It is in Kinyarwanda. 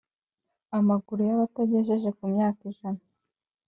Amaguru y Abatagejeje ku myaka ijana